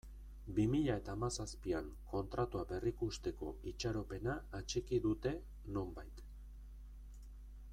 Bi mila eta hamazazpian Kontratua berrikusteko itxaropena atxiki dute, nonbait.